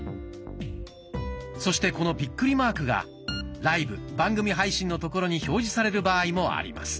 そしてこのビックリマークが「ライブ・番組配信」の所に表示される場合もあります。